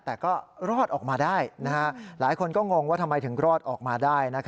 แต่ก็รอดออกมาได้หลายคนก็งงว่าทำไมถึงรอดออกมาได้